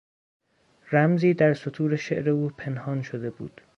رمزی در سطور شعر او پنهان شده بود.